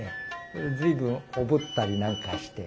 随分おぶったりなんかして。